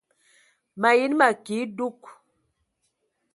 Mayi nə ma kə a edug.